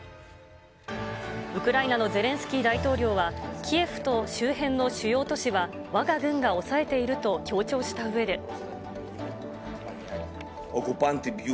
ウクライナのゼレンスキー大統領は、キエフと周辺の主要都市は、わが軍が押さえていると強調したうえで。